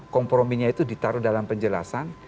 komprominya itu ditaruh dalam penjelasan